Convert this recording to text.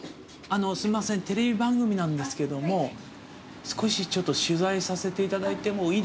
すいませんテレビ番組なんですけども少し取材させていただいてもいいですか？